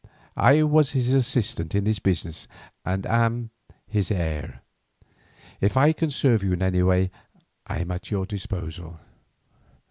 "I was his assistant in his business and am his heir. If I can serve you in any way I am at your disposal."